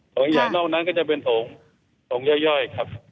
ใหญ่นอกนั้นก็จะเป็นโถงย่อยครับ